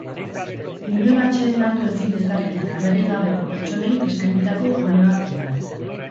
Inon atseden hartu ezin dezaketen aberri gabeko pertsonei eskainitako oleoak dira.